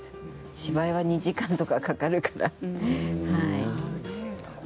芝居は２時間とかかかるから。